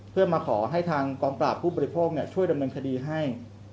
เพื่อมาขอให้ทางกองปราบผู้บริโภคช่วยดำเนินคดีให้